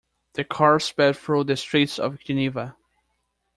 The car sped through the streets of Geneva.